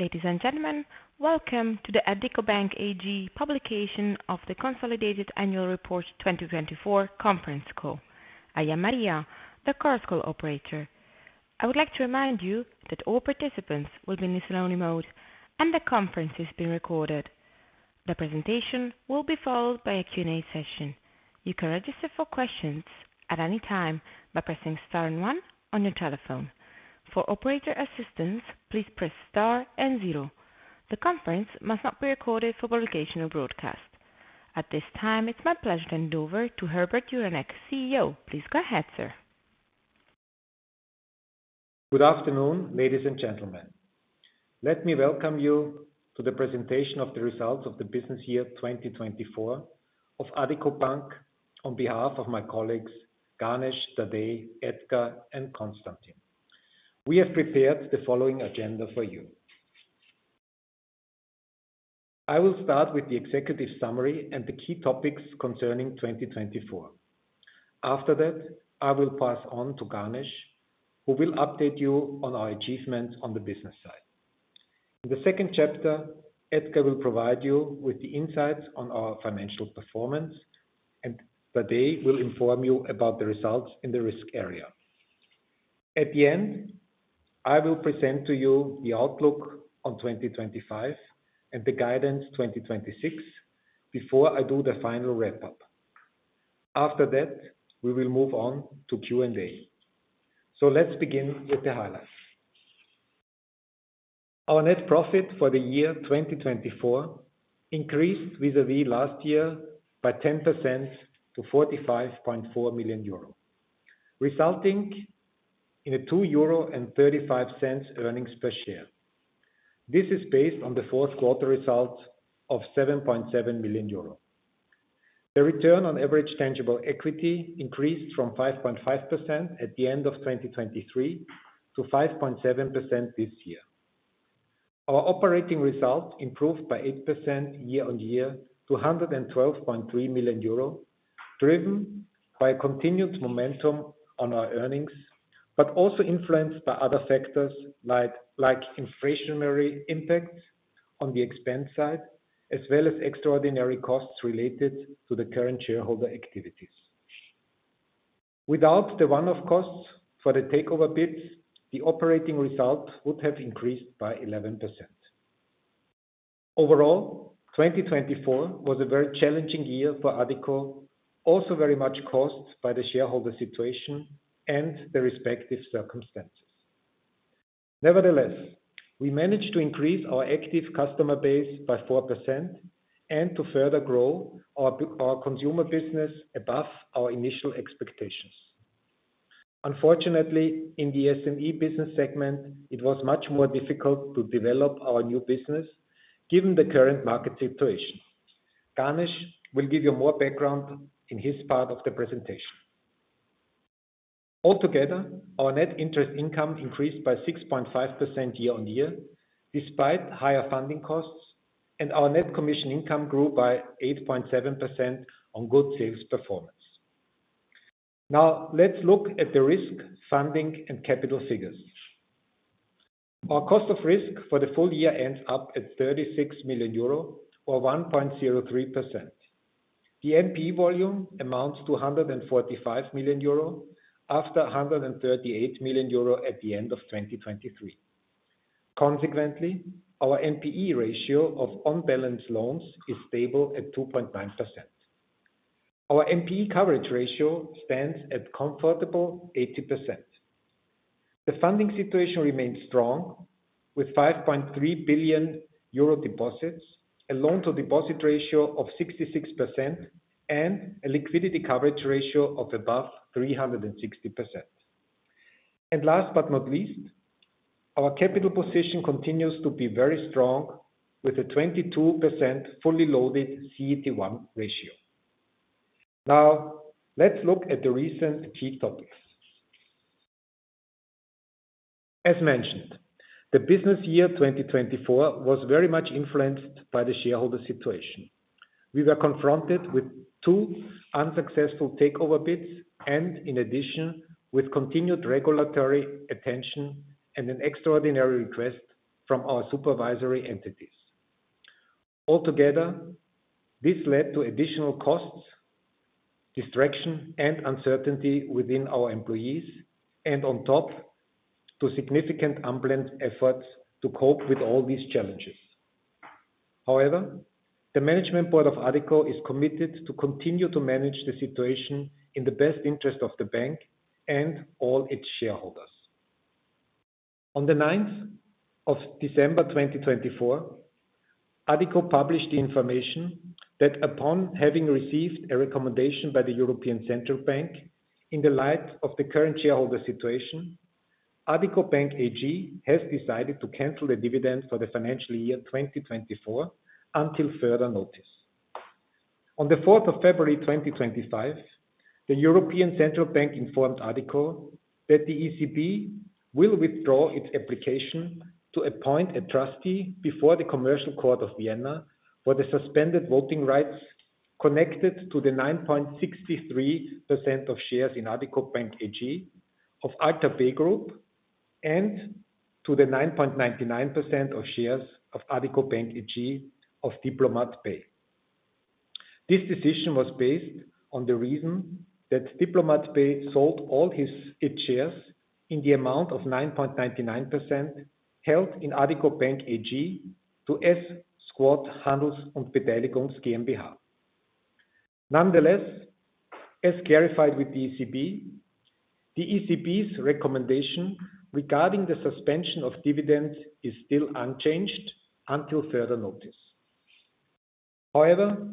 Ladies and gentlemen, welcome to the Addiko Bank AG publication of the Consolidated Annual Report 2024 Conference Call. I am Maria, the Chorus Call operator. I would like to remind you that all participants will be in the salon mode, and the conference is being recorded. The presentation will be followed by a Q&A session. You can register for questions at any time by pressing Star and One on your telephone. For operator assistance, please press Star and Zero. The conference must not be recorded for publication or broadcast. At this time, it's my pleasure to hand over to Herbert Juranek, CEO. Please go ahead, sir. Good afternoon, ladies and gentlemen. Let me welcome you to the presentation of the results of the business year 2024 of Addiko Bank on behalf of my colleagues Ganesh, Tadej, Edgar, and Constantin. We have prepared the following agenda for you. I will start with the executive summary and the key topics concerning 2024. After that, I will pass on to Ganesh, who will update you on our achievements on the business side. In the second chapter, Edgar will provide you with the insights on our financial performance, and Tadej will inform you about the results in the risk area. At the end, I will present to you the outlook on 2025 and the guidance 2026 before I do the final wrap-up. After that, we will move on to Q&A. Let's begin with the highlights. Our net profit for the year 2024 increased vis-à-vis last year by 10% to 45.4 million euro, resulting in a 2.35 euro earnings per share. This is based on the fourth quarter result of 7.7 million euro. The return on average tangible equity increased from 5.5% at the end of 2023 to 5.7% this year. Our operating result improved by 8% year on year to 112.3 million euro, driven by continued momentum on our earnings, but also influenced by other factors like inflationary impacts on the expense side, as well as extraordinary costs related to the current shareholder activities. Without the one-off costs for the takeover bids, the operating result would have increased by 11%. Overall, 2024 was a very challenging year for Addiko, also very much caused by the shareholder situation and the respective circumstances. Nevertheless, we managed to increase our active customer base by 4% and to further grow our consumer business above our initial expectations. Unfortunately, in the SME business segment, it was much more difficult to develop our new business given the current market situation. Ganesh will give you more background in his part of the presentation. Altogether, our net interest income increased by 6.5% year on year, despite higher funding costs, and our net commission income grew by 8.7% on good sales performance. Now, let's look at the risk, funding, and capital figures. Our cost of risk for the full year ends up at 36 million euro, or 1.03%. The NPE volume amounts to 145 million euro after 138 million euro at the end of 2023. Consequently, our NPE ratio of on-balance loans is stable at 2.9%. Our NPE coverage ratio stands at comfortable 80%. The funding situation remains strong, with 5.3 billion euro deposits, a loan-to-deposit ratio of 66%, and a liquidity coverage ratio of above 360%. Last but not least, our capital position continues to be very strong, with a 22% fully loaded CET1 ratio. Now, let's look at the recent key topics. As mentioned, the business year 2024 was very much influenced by the shareholder situation. We were confronted with two unsuccessful takeover bids and, in addition, with continued regulatory attention and an extraordinary request from our supervisory entities. Altogether, this led to additional costs, distraction, and uncertainty within our employees, and on top, to significant unplanned efforts to cope with all these challenges. However, the management board of Addiko is committed to continue to manage the situation in the best interest of the bank and all its shareholders. On the 9th of December 2024, Addiko published the information that upon having received a recommendation by the European Central Bank in the light of the current shareholder situation, Addiko Bank AG has decided to cancel the dividend for the financial year 2024 until further notice. On the 4th of February 2025, the European Central Bank informed Addiko that the ECB will withdraw its application to appoint a trustee before the Commercial Court of Vienna for the suspended voting rights connected to the 9.63% of shares in Addiko Bank AG of Alta Pay Group and to the 9.99% of shares of Addiko Bank AG of Diplomat Pay. This decision was based on the reason that Diplomat Pay sold all its shares in the amount of 9.99% held in Addiko Bank AG to S-Quad Handels- und Beteiligungs GmbH. Nonetheless, as clarified with the ECB, the ECB's recommendation regarding the suspension of dividends is still unchanged until further notice. However,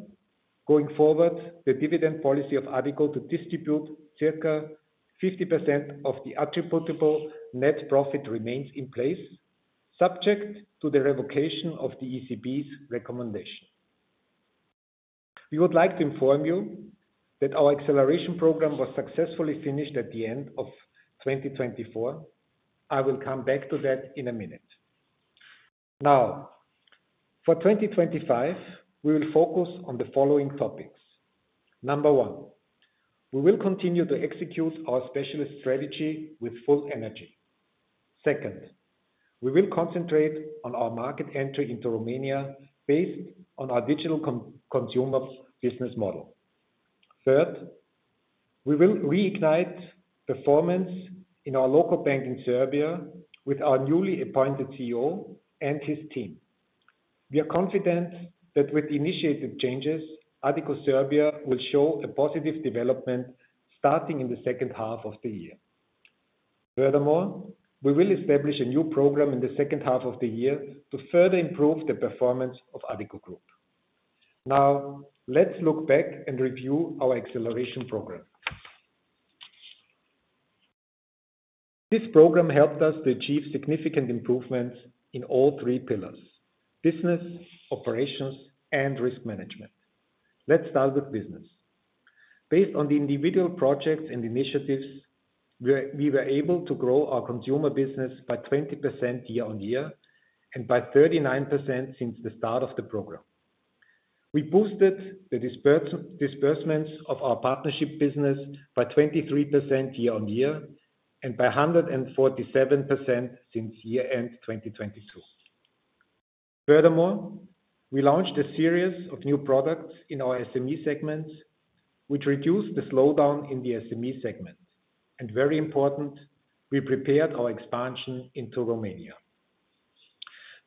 going forward, the dividend policy of Addiko to distribute circa 50% of the attributable net profit remains in place, subject to the revocation of the ECB's recommendation. We would like to inform you that our acceleration program was successfully finished at the end of 2024. I will come back to that in a minute. Now, for 2025, we will focus on the following topics. Number one, we will continue to execute our specialist strategy with full energy. Second, we will concentrate on our market entry into Romania based on our digital consumer business model. Third, we will reignite performance in our local bank in Serbia with our newly appointed CEO and his team. We are confident that with the initiated changes, Addiko Serbia will show a positive development starting in the second half of the year. Furthermore, we will establish a new program in the second half of the year to further improve the performance of Addiko Group. Now, let's look back and review our acceleration program. This program helped us to achieve significant improvements in all three pillars: business, operations, and risk management. Let's start with business. Based on the individual projects and initiatives, we were able to grow our consumer business by 20% year on year and by 39% since the start of the program. We boosted the disbursements of our partnership business by 23% year on year and by 147% since year-end 2022. Furthermore, we launched a series of new products in our SME segments, which reduced the slowdown in the SME segment. Very important, we prepared our expansion into Romania.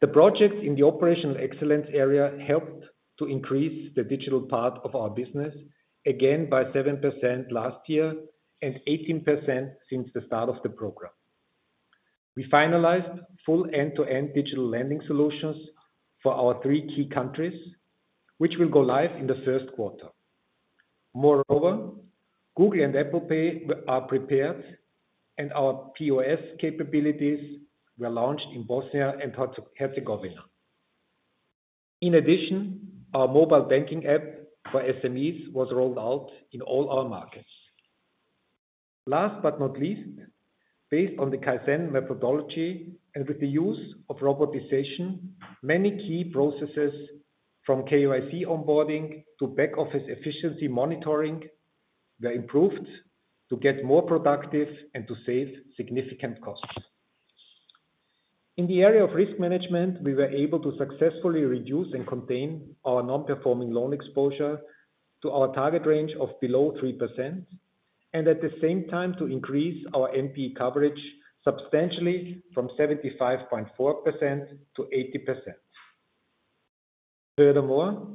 The projects in the operational excellence area helped to increase the digital part of our business again by 7% last year and 18% since the start of the program. We finalized full end-to-end digital lending solutions for our three key countries, which will go live in the first quarter. Moreover, Google and Apple Pay are prepared, and our POS capabilities were launched in Bosnia and Herzegovina. In addition, our mobile banking app for SMEs was rolled out in all our markets. Last but not least, based on the Kaizen methodology and with the use of robotization, many key processes, from KYC onboarding to back-office efficiency monitoring, were improved to get more productive and to save significant costs. In the area of risk management, we were able to successfully reduce and contain our non-performing loan exposure to our target range of below 3%, and at the same time, to increase our NPE coverage substantially from 75.4% to 80%. Furthermore,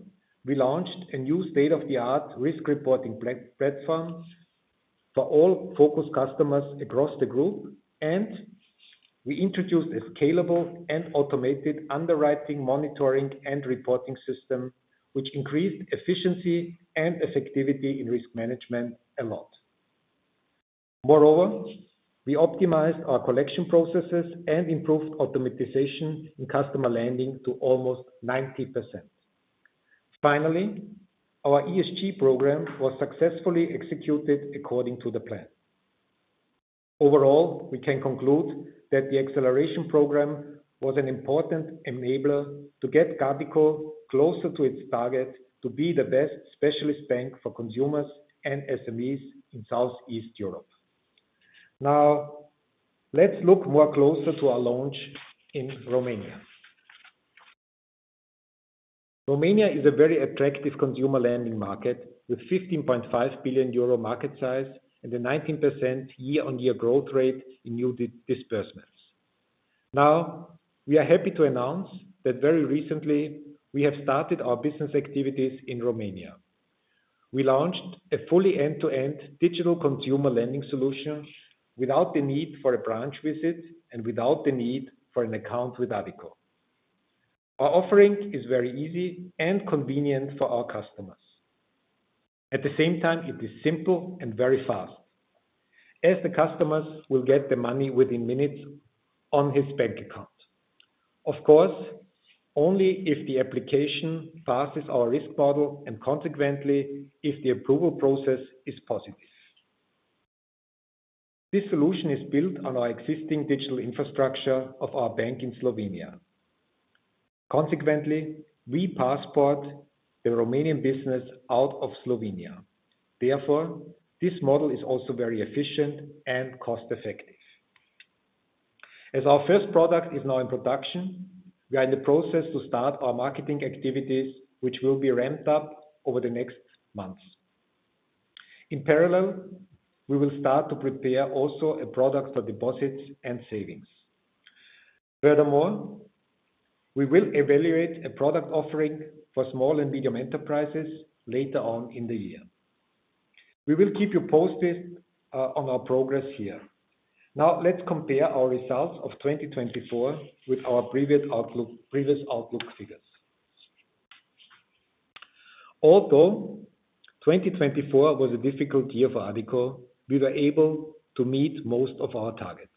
we launched a new state-of-the-art risk reporting platform for all focus customers across the group, and we introduced a scalable and automated underwriting monitoring and reporting system, which increased efficiency and effectivity in risk management a lot. Moreover, we optimized our collection processes and improved automatization in customer lending to almost 90%. Finally, our ESG program was successfully executed according to the plan. Overall, we can conclude that the acceleration program was an important enabler to get Addiko closer to its target to be the best specialist bank for consumers and SMEs in Southeast Europe. Now, let's look more closer to our launch in Romania. Romania is a very attractive consumer lending market with 15.5 billion euro market size and a 19% year-on-year growth rate in new disbursements. Now, we are happy to announce that very recently, we have started our business activities in Romania. We launched a fully end-to-end digital consumer lending solution without the need for a branch visit and without the need for an account with Addiko. Our offering is very easy and convenient for our customers. At the same time, it is simple and very fast, as the customers will get the money within minutes on his bank account. Of course, only if the application passes our risk model and consequently, if the approval process is positive. This solution is built on our existing digital infrastructure of our bank in Slovenia. Consequently, we passport the Romanian business out of Slovenia. Therefore, this model is also very efficient and cost-effective. As our first product is now in production, we are in the process to start our marketing activities, which will be ramped up over the next months. In parallel, we will start to prepare also a product for deposits and savings. Furthermore, we will evaluate a product offering for small and medium enterprises later on in the year. We will keep you posted on our progress here. Now, let's compare our results of 2024 with our previous outlook figures. Although 2024 was a difficult year for Addiko, we were able to meet most of our targets.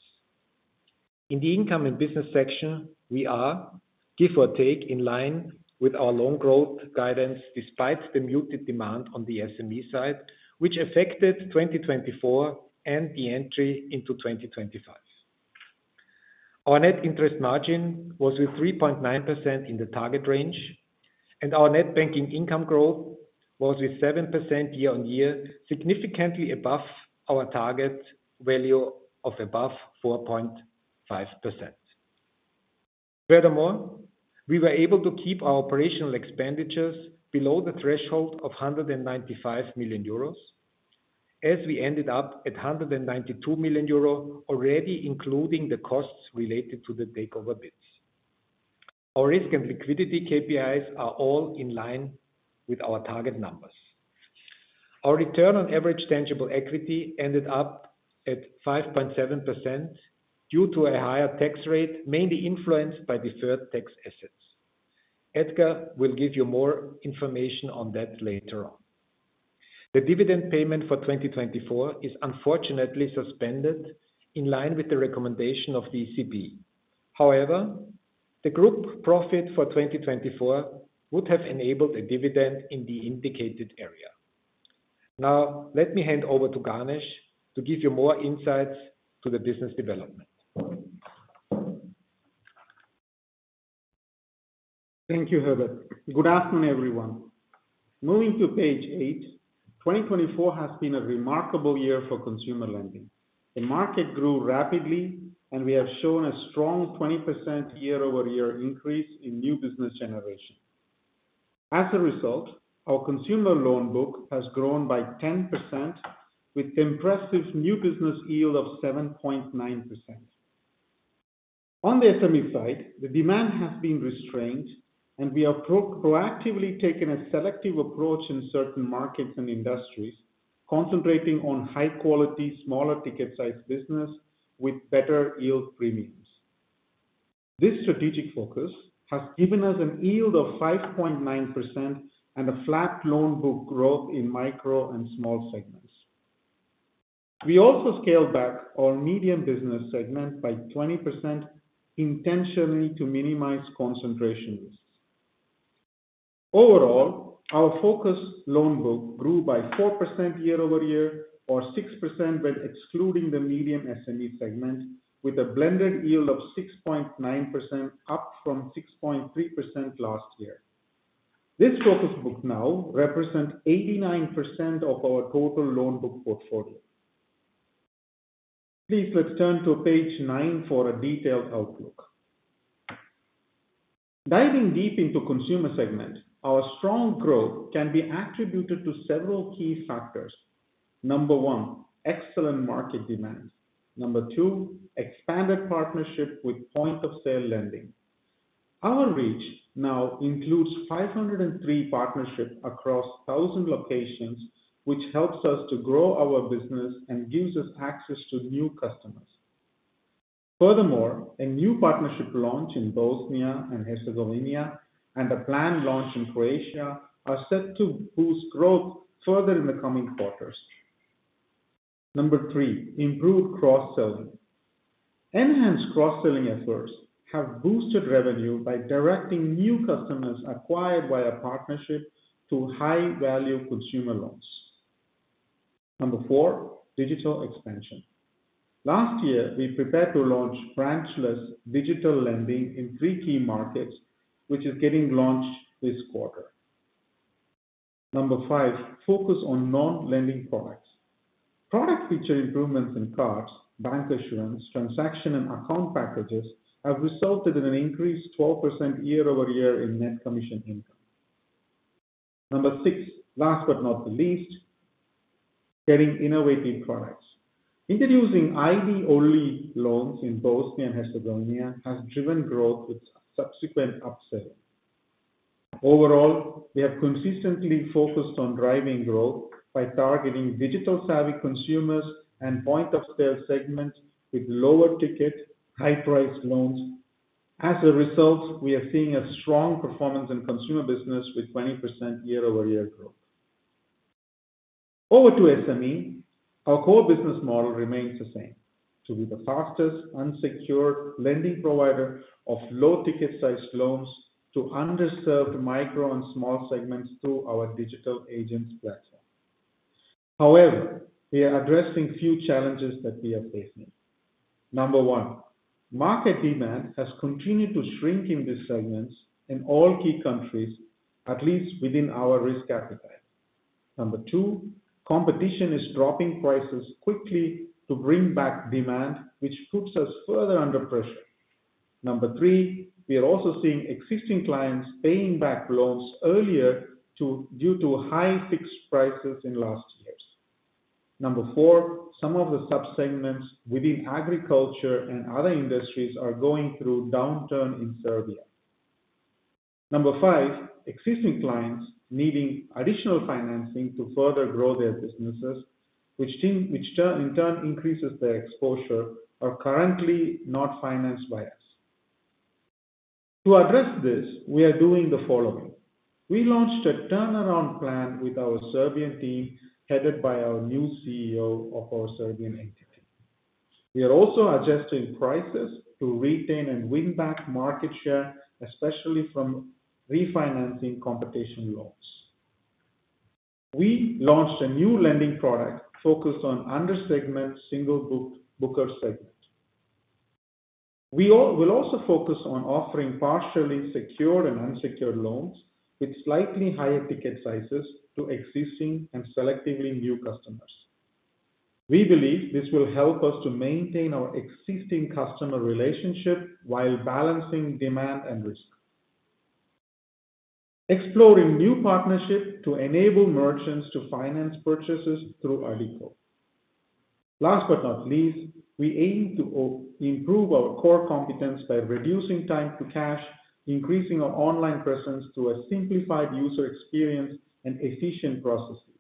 In the income and business section, we are, give or take, in line with our loan growth guidance despite the muted demand on the SME side, which affected 2024 and the entry into 2025. Our net interest margin was with 3.9% in the target range, and our net banking income growth was with 7% year-on-year, significantly above our target value of above 4.5%. Furthermore, we were able to keep our operational expenditures below the threshold of 195 million euros, as we ended up at 192 million euro already, including the costs related to the takeover bids. Our risk and liquidity KPIs are all in line with our target numbers. Our return on average tangible equity ended up at 5.7% due to a higher tax rate, mainly influenced by deferred tax assets. Edgar will give you more information on that later on. The dividend payment for 2024 is unfortunately suspended in line with the recommendation of the ECB. However, the group profit for 2024 would have enabled a dividend in the indicated area. Now, let me hand over to Ganesh to give you more insights to the business development. Thank you, Herbert. Good afternoon, everyone. Moving to page eight, 2024 has been a remarkable year for consumer lending. The market grew rapidly, and we have shown a strong 20% year-over-year increase in new business generation. As a result, our consumer loan book has grown by 10%, with an impressive new business yield of 7.9%. On the SME side, the demand has been restrained, and we have proactively taken a selective approach in certain markets and industries, concentrating on high-quality, smaller ticket-sized business with better yield premiums. This strategic focus has given us a yield of 5.9% and a flat loan book growth in micro and small segments. We also scaled back our medium business segment by 20%, intentionally to minimize concentration risks. Overall, our focus loan book grew by 4% year-over-year, or 6% when excluding the medium SME segment, with a blended yield of 6.9%, up from 6.3% last year. This focus book now represents 89% of our total loan book portfolio. Please, let's turn to page nine for a detailed outlook. Diving deep into the consumer segment, our strong growth can be attributed to several key factors. Number one, excellent market demand. Number two, expanded partnership with point-of-sale lending. Our reach now includes 503 partnerships across 1,000 locations, which helps us to grow our business and gives us access to new customers. Furthermore, a new partnership launch in Bosnia and Herzegovina and a planned launch in Croatia are set to boost growth further in the coming quarters. Number three, improved cross-selling. Enhanced cross-selling efforts have boosted revenue by directing new customers acquired by our partnership to high-value consumer loans. Number four, digital expansion. Last year, we prepared to launch branchless digital lending in three key markets, which is getting launched this quarter. Number five, focus on non-lending products. Product feature improvements in cards, bank assurance, transaction, and account packages have resulted in an increased 12% year-over-year in net commission income. Number six, last but not the least, getting innovative products. Introducing ID-only loans in Bosnia and Herzegovina has driven growth with subsequent upselling. Overall, we have consistently focused on driving growth by targeting digital-savvy consumers and point-of-sale segments with lower ticket, high-priced loans. As a result, we are seeing a strong performance in consumer business with 20% year-over-year growth. Over to SME, our core business model remains the same: to be the fastest, unsecured lending provider of low-ticket-sized loans to underserved micro and small segments through our digital agents platform. However, we are addressing a few challenges that we are facing. Number one, market demand has continued to shrink in these segments in all key countries, at least within our risk appetite. Number two, competition is dropping prices quickly to bring back demand, which puts us further under pressure. Number three, we are also seeing existing clients paying back loans earlier due to high fixed prices in last years. Number four, some of the subsegments within agriculture and other industries are going through a downturn in Serbia. Number five, existing clients needing additional financing to further grow their businesses, which in turn increases their exposure, are currently not financed by us. To address this, we are doing the following. We launched a turnaround plan with our Serbian team, headed by our new CEO of our Serbian entity. We are also adjusting prices to retain and win back market share, especially from refinancing competition loans. We launched a new lending product focused on undersegment single-booker segment. We will also focus on offering partially secured and unsecured loans with slightly higher ticket sizes to existing and selectively new customers. We believe this will help us to maintain our existing customer relationship while balancing demand and risk. Exploring new partnerships to enable merchants to finance purchases through Addiko. Last but not least, we aim to improve our core competence by reducing time to cash, increasing our online presence through a simplified user experience and efficient processes.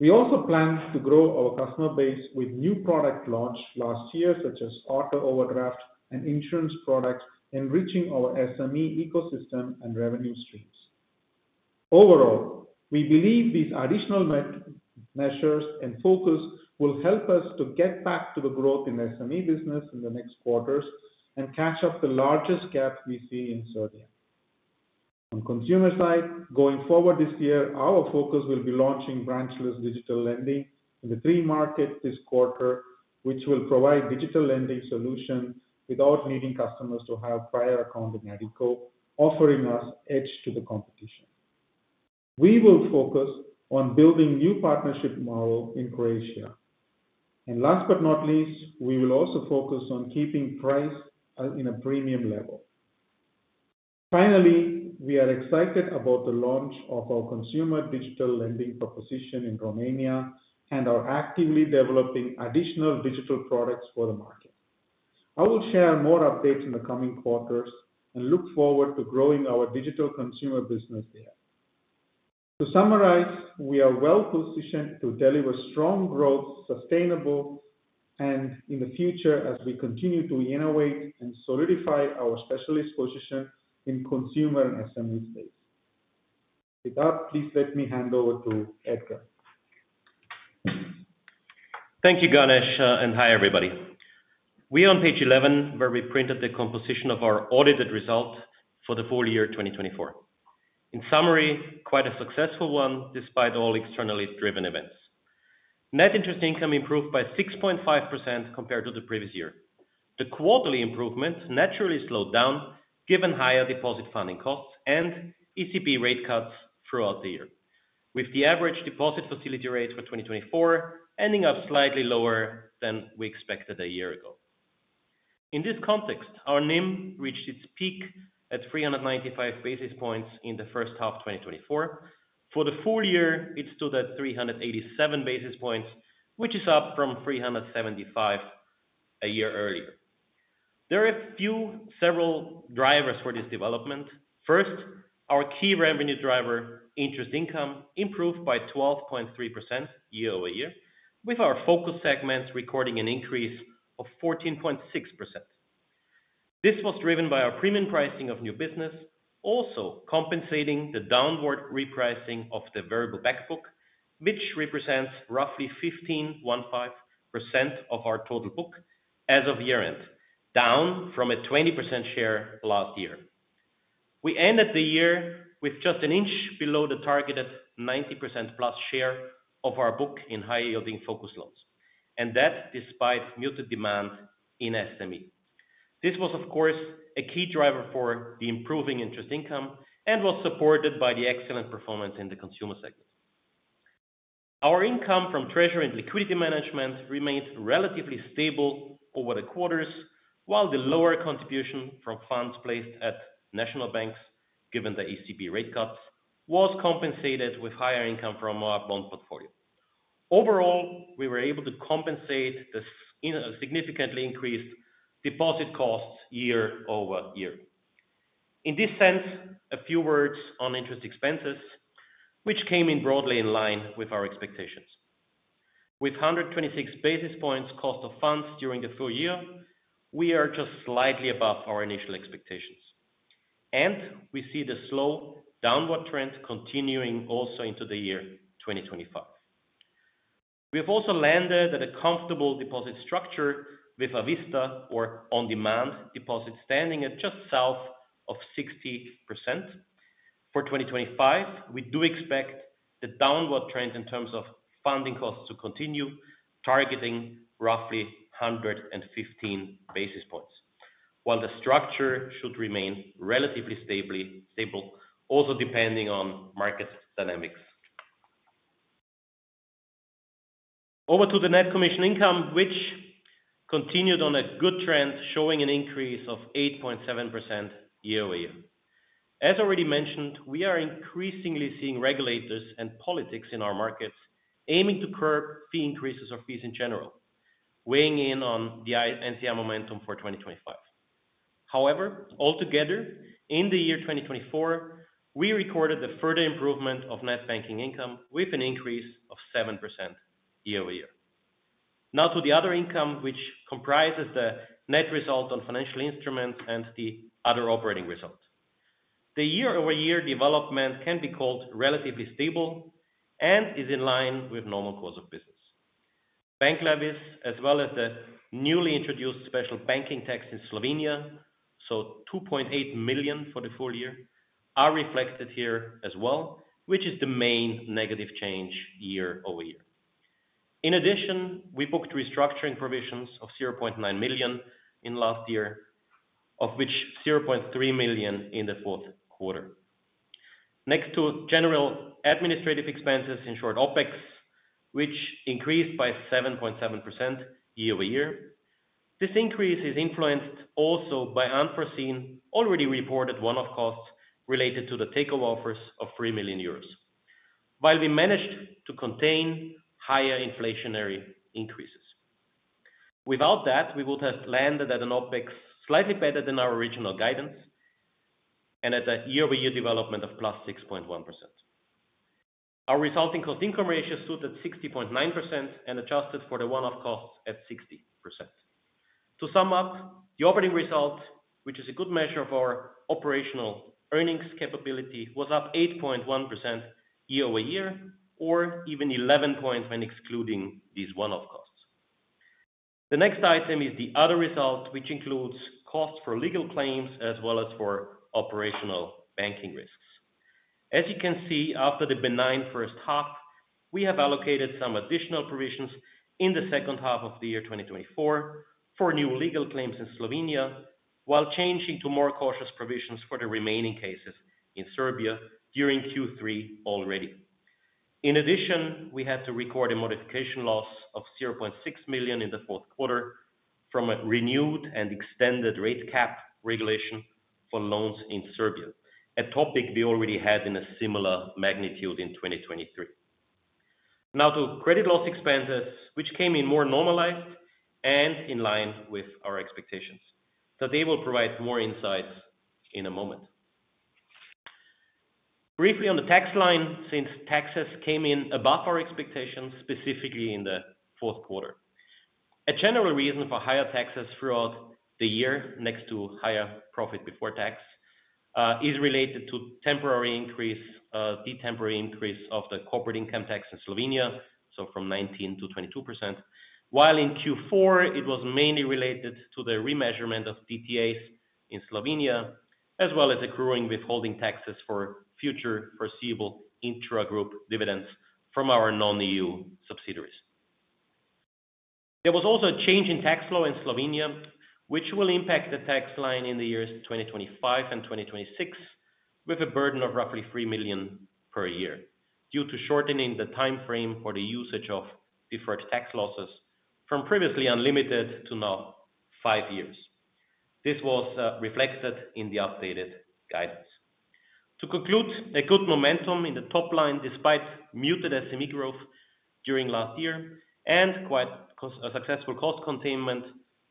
We also plan to grow our customer base with new products launched last year, such as auto overdraft and insurance products, enriching our SME ecosystem and revenue streams. Overall, we believe these additional measures and focus will help us to get back to the growth in the SME business in the next quarters and catch up the largest gap we see in Serbia. On the consumer side, going forward this year, our focus will be launching branchless digital lending in the three markets this quarter, which will provide digital lending solutions without needing customers to have prior account in Addiko, offering us edge to the competition. We will focus on building a new partnership model in Croatia. Last but not least, we will also focus on keeping price at a premium level. Finally, we are excited about the launch of our consumer digital lending proposition in Romania and are actively developing additional digital products for the market. I will share more updates in the coming quarters and look forward to growing our digital consumer business there. To summarize, we are well positioned to deliver strong growth, sustainable, and in the future, as we continue to innovate and solidify our specialist position in the consumer and SME space. With that, please let me hand over to Edgar. Thank you, Ganesh, and hi, everybody. We are on page 11, where we printed the composition of our audited result for the full year 2024. In summary, quite a successful one despite all externally driven events. Net interest income improved by 6.5% compared to the previous year. The quarterly improvement naturally slowed down given higher deposit funding costs and ECB rate cuts throughout the year, with the average deposit facility rate for 2024 ending up slightly lower than we expected a year ago. In this context, our NIM reached its peak at 395 basis points in the first half of 2024. For the full year, it stood at 387 basis points, which is up from 375 a year earlier. There are a few several drivers for this development. First, our key revenue driver, interest income, improved by 12.3% year-over-year, with our focus segments recording an increase of 14.6%. This was driven by our premium pricing of new business, also compensating the downward repricing of the variable backbook, which represents roughly 15.15% of our total book as of year-end, down from a 20% share last year. We ended the year with just an inch below the targeted 90% plus share of our book in high-yielding focus loans, and that despite muted demand in SME. This was, of course, a key driver for the improving interest income and was supported by the excellent performance in the consumer segment. Our income from treasury and liquidity management remained relatively stable over the quarters, while the lower contribution from funds placed at national banks, given the ECB rate cuts, was compensated with higher income from our bond portfolio. Overall, we were able to compensate the significantly increased deposit costs year-over-year. In this sense, a few words on interest expenses, which came in broadly in line with our expectations. With 126 basis points cost of funds during the full year, we are just slightly above our initial expectations, and we see the slow downward trend continuing also into the year 2025. We have also landed at a comfortable deposit structure with a VISTA or on-demand deposit standing at just south of 60%. For 2025, we do expect the downward trend in terms of funding costs to continue, targeting roughly 115 basis points, while the structure should remain relatively stable, also depending on market dynamics. Over to the net commission income, which continued on a good trend, showing an increase of 8.7% year-over-year. As already mentioned, we are increasingly seeing regulators and politics in our markets aiming to curb fee increases or fees in general, weighing in on the NCR momentum for 2025. However, altogether, in the year 2024, we recorded the further improvement of net banking income with an increase of 7% year-over-year. Now to the other income, which comprises the net result on financial instruments and the other operating result. The year-over-year development can be called relatively stable and is in line with normal course of business. Bank levies, as well as the newly introduced special banking tax in Slovenia, so 2.8 million for the full year, are reflected here as well, which is the main negative change year-over-year. In addition, we booked restructuring provisions of 0.9 million in last year, of which 0.3 million in the fourth quarter. Next to general administrative expenses, in short, OpEx, which increased by 7.7% year-over-year. This increase is influenced also by unforeseen, already reported one-off costs related to the takeover offers of 3 million euros, while we managed to contain higher inflationary increases. Without that, we would have landed at an OpEx slightly better than our original guidance and at a year-over-year development of plus 6.1%. Our resulting cost-income ratio stood at 60.9% and adjusted for the one-off costs at 60%. To sum up, the operating result, which is a good measure of our operational earnings capability, was up 8.1% year-over-year, or even 11 percentage points when excluding these one-off costs. The next item is the other result, which includes costs for legal claims as well as for operational banking risks. As you can see, after the benign first half, we have allocated some additional provisions in the second half of the year 2024 for new legal claims in Slovenia, while changing to more cautious provisions for the remaining cases in Serbia during Q3 already. In addition, we had to record a modification loss of 0.6 million in the fourth quarter from a renewed and extended rate cap regulation for loans in Serbia, a topic we already had in a similar magnitude in 2023. Now to credit loss expenses, which came in more normalized and in line with our expectations. Today, we'll provide more insights in a moment. Briefly on the tax line, since taxes came in above our expectations, specifically in the fourth quarter. A general reason for higher taxes throughout the year, next to higher profit before tax, is related to temporary increase, the temporary increase of the corporate income tax in Slovenia, so from 19% to 22%, while in Q4, it was mainly related to the remeasurement of DTAs in Slovenia, as well as accruing withholding taxes for future foreseeable intra-group dividends from our non-EU subsidiaries. There was also a change in tax law in Slovenia, which will impact the tax line in the years 2025 and 2026, with a burden of roughly 3 million per year due to shortening the timeframe for the usage of deferred tax losses from previously unlimited to now five years. This was reflected in the updated guidance. To conclude, a good momentum in the top line despite muted SME growth during last year and quite a successful cost containment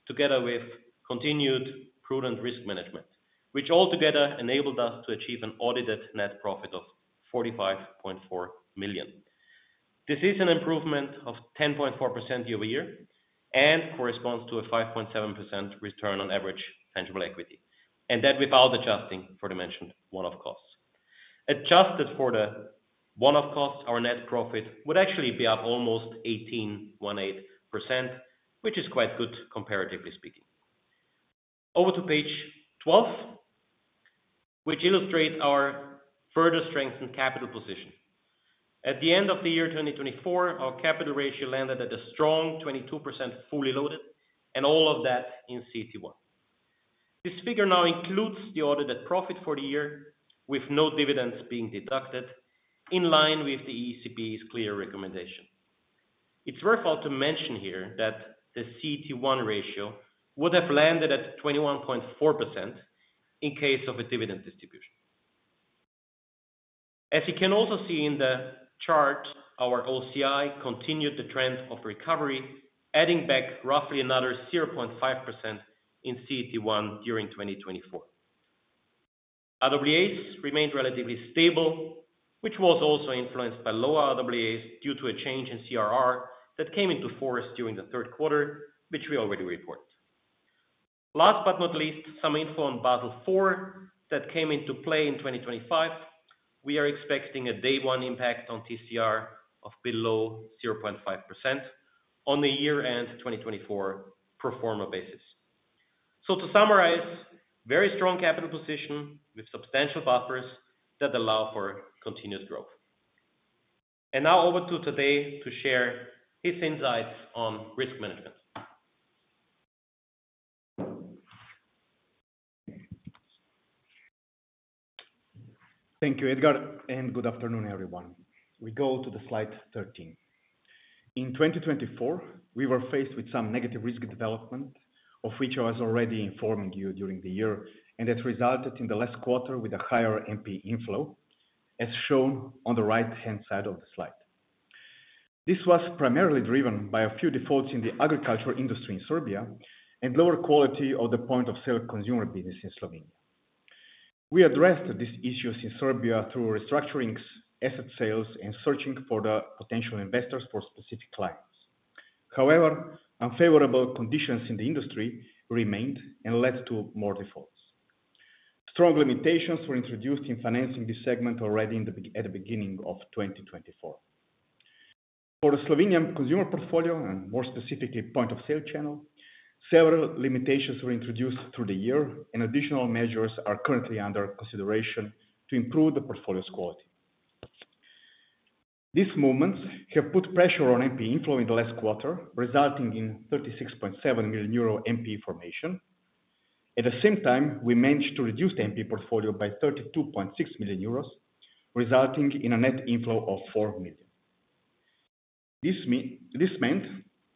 together with continued prudent risk management, which altogether enabled us to achieve an audited net profit of 45.4 million. This is an improvement of 10.4% year-over-year and corresponds to a 5.7% return on average tangible equity, and that without adjusting for the mentioned one-off costs. Adjusted for the one-off costs, our net profit would actually be up almost 18.18%, which is quite good comparatively speaking. Over to page 12, which illustrates our further strengthened capital position. At the end of the year 2024, our capital ratio landed at a strong 22% fully loaded, and all of that in CET1. This figure now includes the audited profit for the year, with no dividends being deducted, in line with the ECB's clear recommendation. It's worthwhile to mention here that the CET1 ratio would have landed at 21.4% in case of a dividend distribution. As you can also see in the chart, our OCI continued the trend of recovery, adding back roughly another 0.5% in CET1 during 2024. RWAs remained relatively stable, which was also influenced by lower RWAs due to a change in CRR that came into force during the third quarter, which we already reported. Last but not least, some info on Basel IV that came into play in 2025. We are expecting a day-one impact on TCR of below 0.5% on the year-end 2024 performer basis. To summarize, very strong capital position with substantial buffers that allow for continuous growth. Now over to Tadej to share his insights on risk management. Thank you, Edgar, and good afternoon, everyone. We go to slide 13. In 2024, we were faced with some negative risk development, of which I was already informing you during the year, and that resulted in the last quarter with a higher NPE inflow, as shown on the right-hand side of the slide. This was primarily driven by a few defaults in the agriculture industry in Serbia and lower quality of the point-of-sale consumer business in Slovenia. We addressed these issues in Serbia through restructuring, asset sales, and searching for potential investors for specific clients. However, unfavorable conditions in the industry remained and led to more defaults. Strong limitations were introduced in financing this segment already at the beginning of 2024. For the Slovenian consumer portfolio, and more specifically point-of-sale channel, several limitations were introduced through the year, and additional measures are currently under consideration to improve the portfolio's quality. These movements have put pressure on NPE inflow in the last quarter, resulting in 36.7 million euro NPE formation. At the same time, we managed to reduce the NPE portfolio by 32.6 million euros, resulting in a net inflow of 4 million. This meant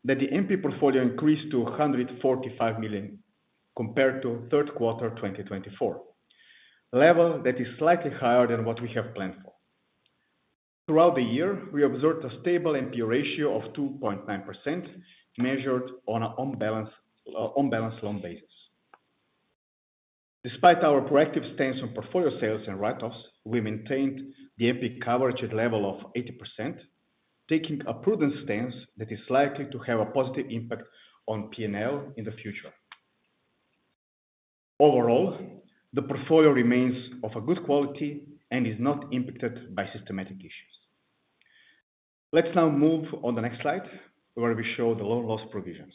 that the NPE portfolio increased to 145 million compared to third quarter 2024, a level that is slightly higher than what we have planned for. Throughout the year, we observed a stable NPE ratio of 2.9% measured on an unbalanced loan basis. Despite our proactive stance on portfolio sales and write-offs, we maintained the NPE coverage at a level of 80%, taking a prudent stance that is likely to have a positive impact on P&L in the future. Overall, the portfolio remains of good quality and is not impacted by systematic issues. Let's now move on to the next slide, where we show the loan loss provisions.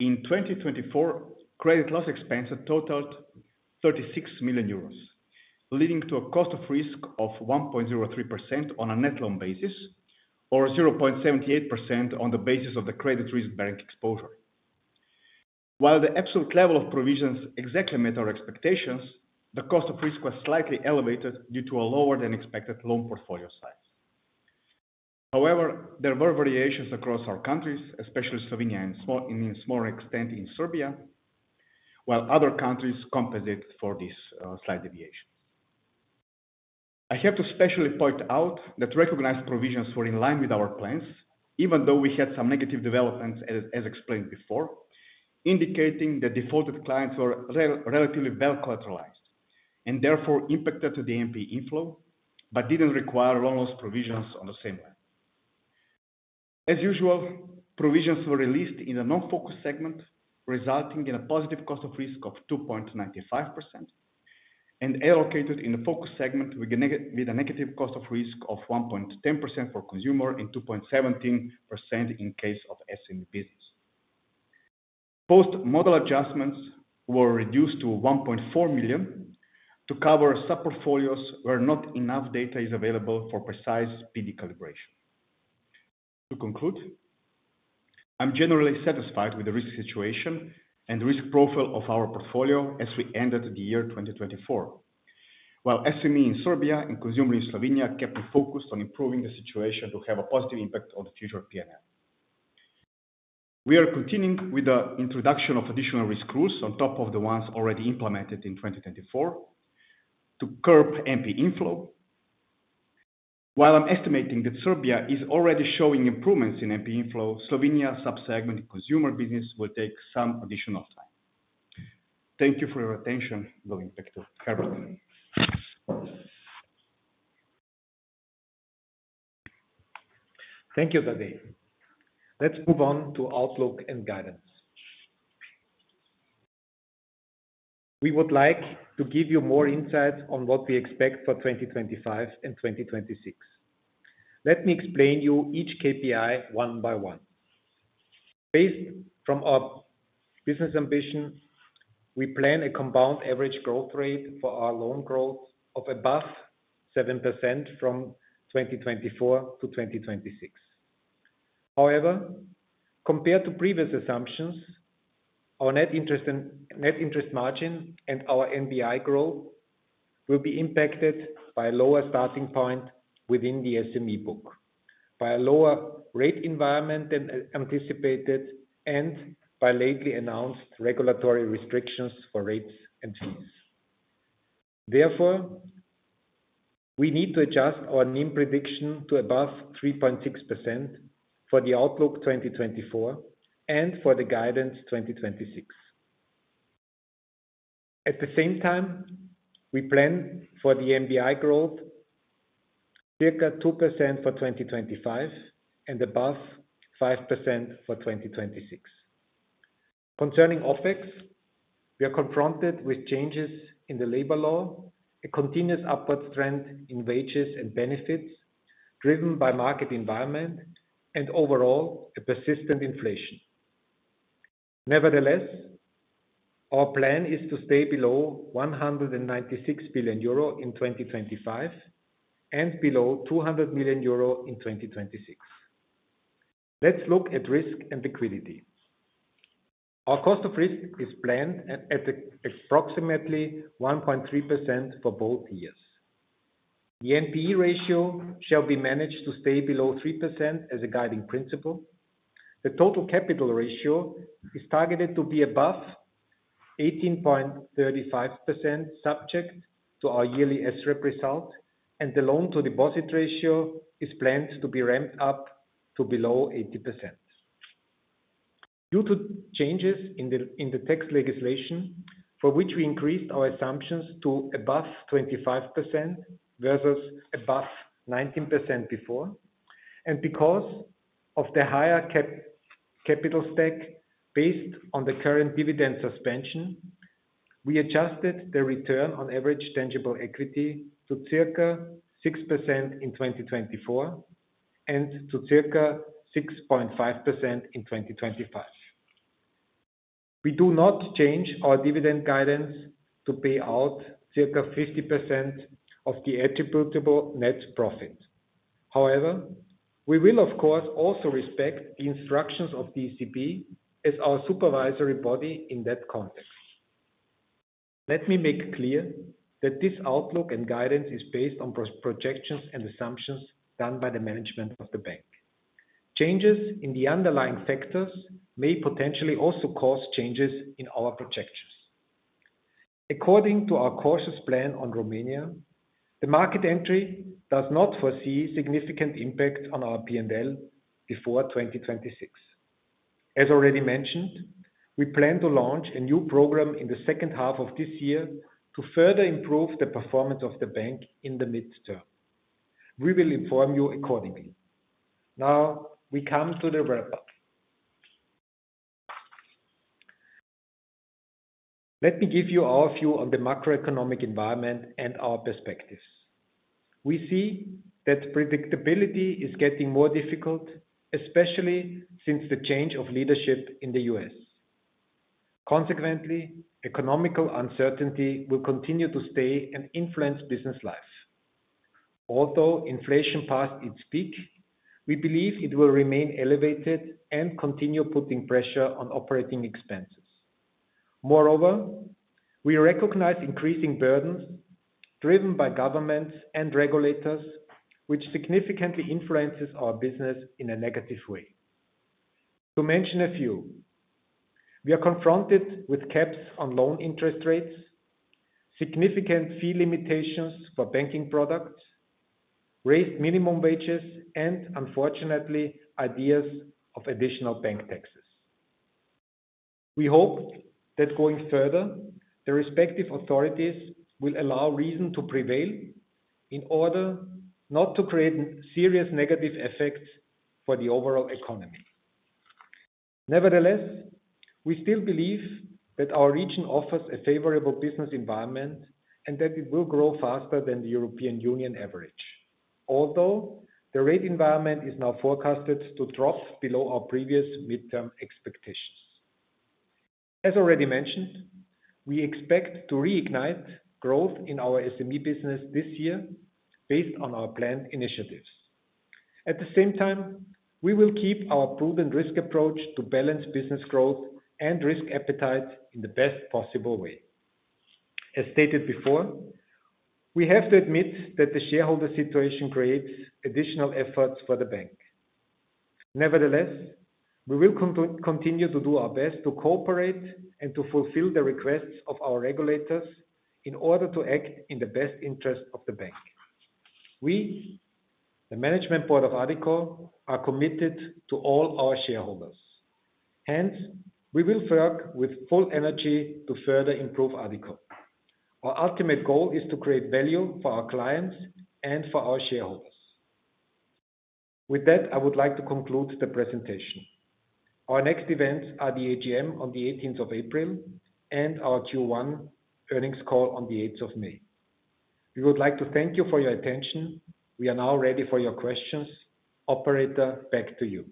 In 2024, credit loss expenses totaled 36 million euros, leading to a cost of risk of 1.03% on a net loan basis, or 0.78% on the basis of the credit risk bank exposure. While the absolute level of provisions exactly met our expectations, the cost of risk was slightly elevated due to a lower-than-expected loan portfolio size. However, there were variations across our countries, especially Slovenia and in a smaller extent in Serbia, while other countries compensated for these slight deviations. I have to specially point out that recognized provisions were in line with our plans, even though we had some negative developments, as explained before, indicating that defaulted clients were relatively well collateralized and therefore impacted the NPE inflow, but didn't require loan loss provisions on the same level. As usual, provisions were released in the non-focus segment, resulting in a positive cost of risk of 2.95%, and allocated in the focus segment with a negative cost of risk of 1.10% for consumer and 2.17% in case of SME business. Post-model adjustments were reduced to 1.4 million to cover sub-portfolios where not enough data is available for precise PD calibration. To conclude, I'm generally satisfied with the risk situation and risk profile of our portfolio as we ended the year 2024, while SME in Serbia and consumer in Slovenia kept me focused on improving the situation to have a positive impact on the future of P&L. We are continuing with the introduction of additional risk rules on top of the ones already implemented in 2024 to curb MP inflow. While I'm estimating that Serbia is already showing improvements in MP inflow, Slovenia's sub-segment consumer business will take some additional time. Thank you for your attention. Going back to Herbert. Thank you, Tadej. Let's move on to Outlook and Guidance. We would like to give you more insights on what we expect for 2025 and 2026. Let me explain to you each KPI one by one. Based from our business ambition, we plan a compound average growth rate for our loan growth of above 7% from 2024 to 2026. However, compared to previous assumptions, our net interest margin and our NBI growth will be impacted by a lower starting point within the SME book, by a lower rate environment than anticipated, and by lately announced regulatory restrictions for rates and fees. Therefore, we need to adjust our NIM prediction to above 3.6% for the Outlook 2024 and for the Guidance 2026. At the same time, we plan for the NBI growth circa 2% for 2025 and above 5% for 2026. Concerning OpEx, we are confronted with changes in the labor law, a continuous upward trend in wages and benefits driven by market environment, and overall a persistent inflation. Nevertheless, our plan is to stay below 196 million euro in 2025 and below 200 million euro in 2026. Let's look at risk and liquidity. Our cost of risk is planned at approximately 1.3% for both years. The NPE ratio shall be managed to stay below 3% as a guiding principle. The total capital ratio is targeted to be above 18.35%, subject to our yearly SREP result, and the loan-to-deposit ratio is planned to be ramped up to below 80%. Due to changes in the tax legislation, for which we increased our assumptions to above 25% versus above 19% before, and because of the higher capital stack based on the current dividend suspension, we adjusted the return on average tangible equity to circa 6% in 2024 and to circa 6.5% in 2025. We do not change our dividend guidance to pay out circa 50% of the attributable net profit. However, we will, of course, also respect the instructions of the ECB as our supervisory body in that context. Let me make clear that this Outlook and Guidance is based on projections and assumptions done by the management of the bank. Changes in the underlying factors may potentially also cause changes in our projections. According to our cautious plan on Romania, the market entry does not foresee significant impact on our P&L before 2026. As already mentioned, we plan to launch a new program in the second half of this year to further improve the performance of the bank in the midterm. We will inform you accordingly. Now, we come to the wrap-up. Let me give you our view on the macroeconomic environment and our perspectives. We see that predictability is getting more difficult, especially since the change of leadership in the U.S. Consequently, economical uncertainty will continue to stay and influence business life. Although inflation passed its peak, we believe it will remain elevated and continue putting pressure on operating expenses. Moreover, we recognize increasing burdens driven by governments and regulators, which significantly influences our business in a negative way. To mention a few, we are confronted with caps on loan interest rates, significant fee limitations for banking products, raised minimum wages, and unfortunately, ideas of additional bank taxes. We hope that going further, the respective authorities will allow reason to prevail in order not to create serious negative effects for the overall economy. Nevertheless, we still believe that our region offers a favorable business environment and that it will grow faster than the European Union average, although the rate environment is now forecasted to drop below our previous midterm expectations. As already mentioned, we expect to reignite growth in our SME business this year based on our planned initiatives. At the same time, we will keep our prudent risk approach to balance business growth and risk appetite in the best possible way. As stated before, we have to admit that the shareholder situation creates additional efforts for the bank. Nevertheless, we will continue to do our best to cooperate and to fulfill the requests of our regulators in order to act in the best interest of the bank. We, the Management Board of Addiko, are committed to all our shareholders. Hence, we will work with full energy to further improve Addiko. Our ultimate goal is to create value for our clients and for our shareholders. With that, I would like to conclude the presentation. Our next events are the AGM on the 18th of April and our Q1 earnings call on the 8th of May. We would like to thank you for your attention. We are now ready for your questions. Operator, back to you.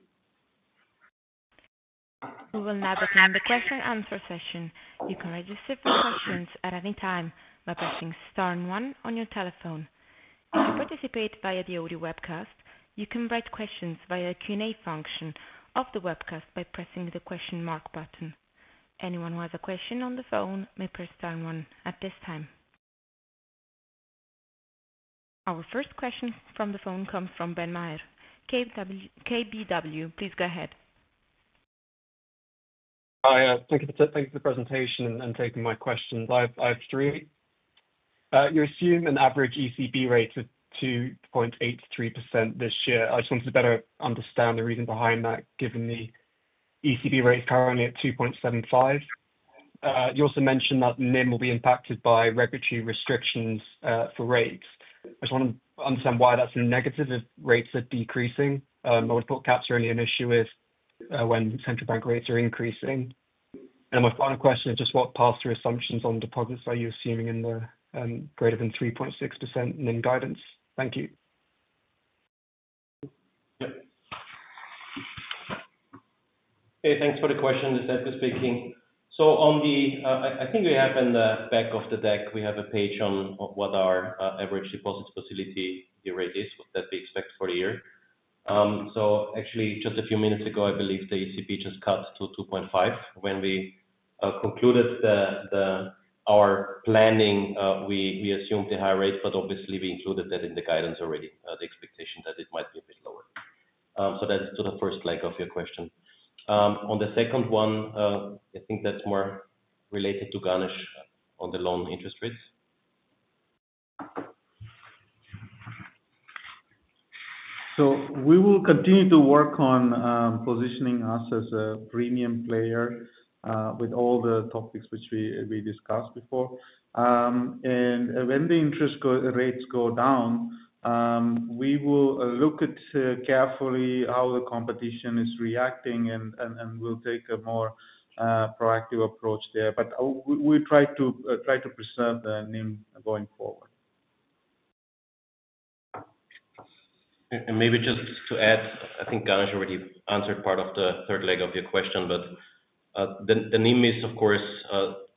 We will now begin the question-and-answer session. You can register for questions at any time by pressing Star and 1 on your telephone. If you participate via the audio webcast, you can write questions via the Q&A function of the webcast by pressing the question mark button. Anyone who has a question on the phone may press Star and 1 at this time. Our first question from the phone comes from Ben Meyer. KBW, please go ahead. Hi, thank you for the presentation and taking my question. I have three. You assume an average ECB rate of 2.83% this year. I just wanted to better understand the reason behind that, given the ECB rate is currently at 2.75%. You also mentioned that NIM will be impacted by regulatory restrictions for rates. I just want to understand why that's a negative if rates are decreasing. I would put caps are only an issue when central bank rates are increasing. My final question is just what pass-through assumptions on deposits are you assuming in the greater than 3.6% NIM guidance? Thank you. Okay, thanks for the question. It's Edgar speaking. On the, I think we have in the back of the deck, we have a page on what our average deposit facility rate is, what that we expect for the year. Actually, just a few minutes ago, I believe the ECB just cut to 2.5%. When we concluded our planning, we assumed a high rate, but obviously, we included that in the guidance already, the expectation that it might be a bit lower. That is to the first leg of your question. On the second one, I think that is more related to Ganesh on the loan interest rates. We will continue to work on positioning us as a premium player with all the topics which we discussed before. When the interest rates go down, we will look at carefully how the competition is reacting and we will take a more proactive approach there. We try to preserve the NIM going forward. Maybe just to add, I think Ganesh already answered part of the third leg of your question, but the NIM is, of course,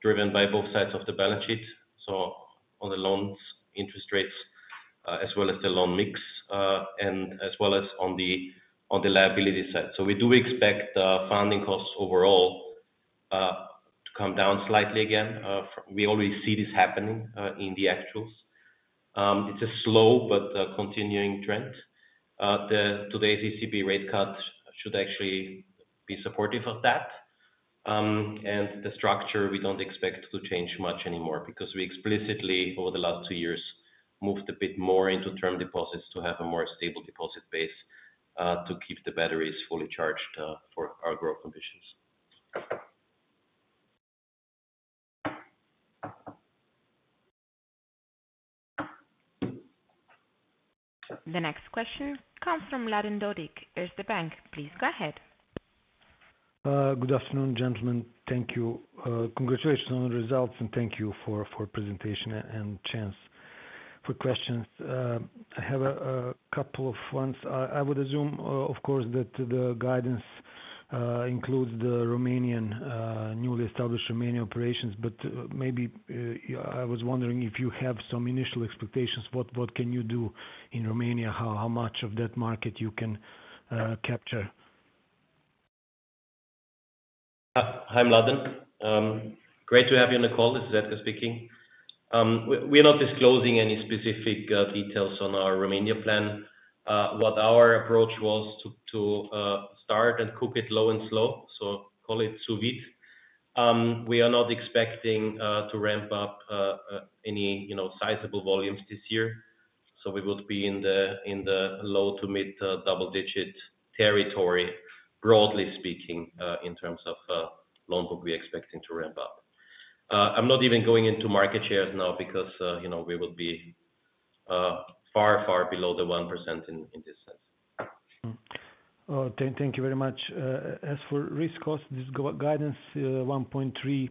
driven by both sides of the balance sheet. On the loans, interest rates, as well as the loan mix, and as well as on the liability side. We do expect the funding costs overall to come down slightly again. We already see this happening in the actuals. It is a slow but continuing trend. Today's ECB rate cut should actually be supportive of that. The structure, we do not expect to change much anymore because we explicitly, over the last two years, moved a bit more into term deposits to have a more stable deposit base to keep the batteries fully charged for our growth ambitions. The next question comes from Laden Dodik. Is the bank? Please go ahead. Good afternoon, gentlemen. Thank you. Congratulations on the results and thank you for the presentation and chance for questions. I have a couple of ones. I would assume, of course, that the guidance includes the newly established Romania operations, but maybe I was wondering if you have some initial expectations. What can you do in Romania? How much of that market you can capture? Hi, I'm Laden. Great to have you on the call. This is Edgar speaking. We're not disclosing any specific details on our Romania plan. What our approach was to start and cook it low and slow, so call it sous vide. We are not expecting to ramp up any sizable volumes this year. We would be in the low to mid double-digit territory, broadly speaking, in terms of loan book we're expecting to ramp up. I'm not even going into market shares now because we would be far, far below the 1% in this sense. Thank you very much. As for risk costs, this guidance 1.3%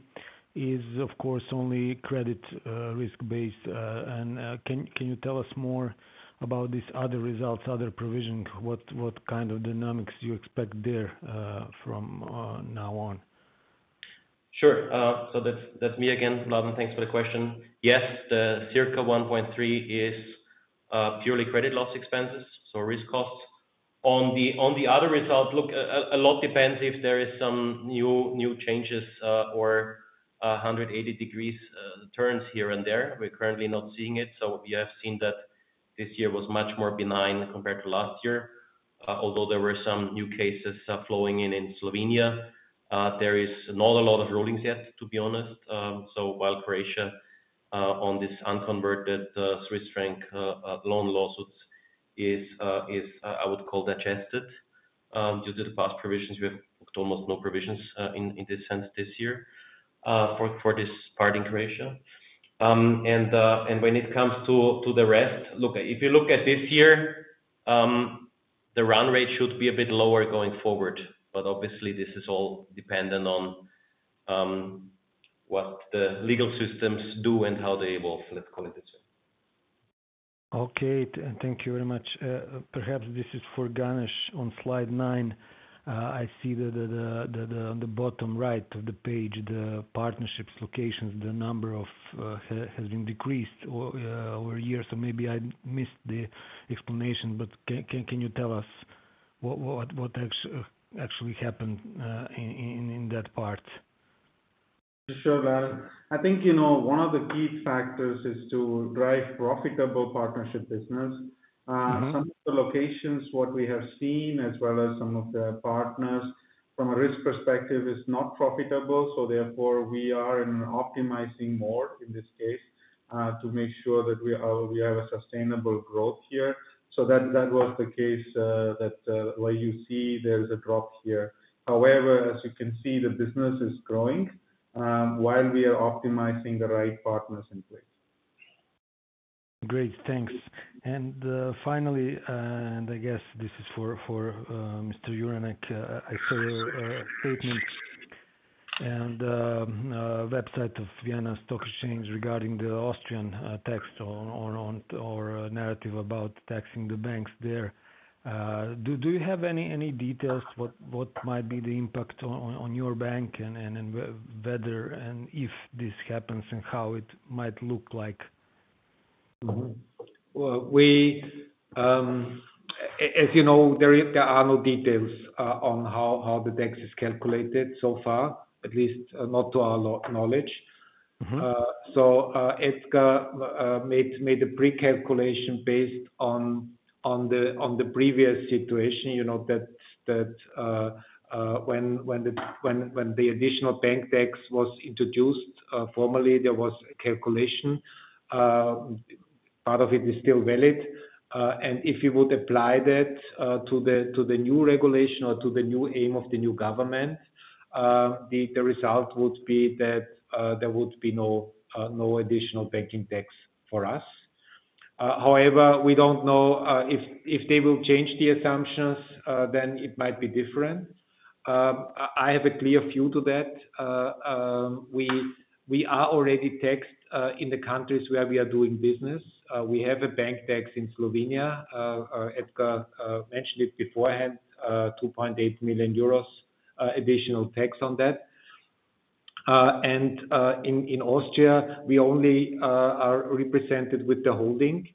is, of course, only credit risk-based. Can you tell us more about these other results, other provisions? What kind of dynamics do you expect there from now on? Sure. That's me again, Laden. Thanks for the question. Yes, the circa 1.3% is purely credit loss expenses, so risk costs. On the other result, look, a lot depends if there are some new changes or 180 degrees turns here and there. We are currently not seeing it. We have seen that this year was much more benign compared to last year. Although there were some new cases flowing in Slovenia, there is not a lot of rulings yet, to be honest. While Croatia on this unconverted Swiss franc loan lawsuits is, I would call, digested due to the past provisions, we have almost no provisions in this sense this year for this part in Croatia. When it comes to the rest, look, if you look at this year, the run rate should be a bit lower going forward, but obviously, this is all dependent on what the legal systems do and how they evolve, let's call it that way. Okay. Thank you very much. Perhaps this is for Ganesh on slide nine. I see that on the bottom right of the page, the partnerships locations, the number has been decreased over years. Maybe I missed the explanation, but can you tell us what actually happened in that part? Sure, Laden. I think one of the key factors is to drive profitable partnership business. Some of the locations, what we have seen, as well as some of the partners from a risk perspective, is not profitable. Therefore, we are optimizing more in this case to make sure that we have a sustainable growth here. That was the case where you see there's a drop here. However, as you can see, the business is growing while we are optimizing the right partners in place. Great. Thanks. Finally, and I guess this is for Mr. Juranek, I saw your statement and website of Vienna Stock Exchange regarding the Austrian tax or narrative about taxing the banks there. Do you have any details? What might be the impact on your bank and whether and if this happens and how it might look like? As you know, there are no details on how the tax is calculated so far, at least not to our knowledge. Edgar made a precalculation based on the previous situation that when the additional bank tax was introduced formally, there was a calculation. Part of it is still valid. If you would apply that to the new regulation or to the new aim of the new government, the result would be that there would be no additional banking tax for us. However, we do not know if they will change the assumptions, then it might be different. I have a clear view to that. We are already taxed in the countries where we are doing business. We have a bank tax in Slovenia. Edgar mentioned it beforehand, 2.8 million euros additional tax on that. In Austria, we only are represented with the holding.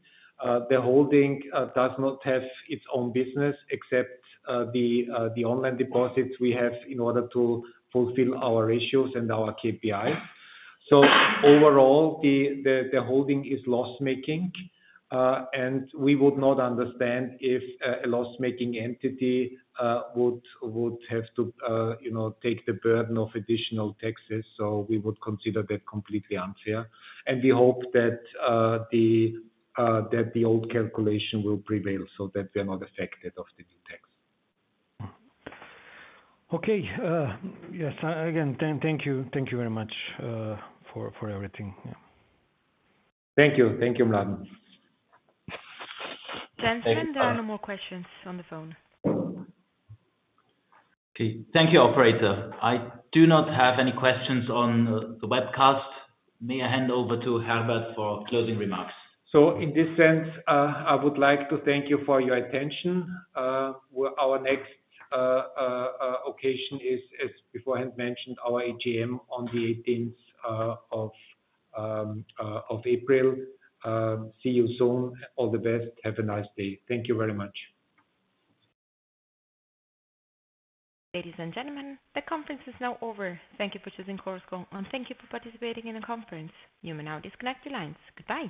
The holding does not have its own business except the online deposits we have in order to fulfill our ratios and our KPIs. Overall, the holding is loss-making. We would not understand if a loss-making entity would have to take the burden of additional taxes. We would consider that completely unfair. We hope that the old calculation will prevail so that we are not affected by the new tax. Okay. Yes, again, thank you very much for everything. Thank you. Thank you, Laden. Thanks. There are no more questions on the phone. Okay. Thank you, Operator. I do not have any questions on the webcast. May I hand over to Herbert for closing remarks? In this sense, I would like to thank you for your attention. Our next occasion is, as beforehand mentioned, our AGM on the 18th of April. See you soon. All the best. Have a nice day. Thank you very much. Ladies and gentlemen, the conference is now over. Thank you for choosing Chorus Call and thank you for participating in the conference. You may now disconnect the lines. Goodbye.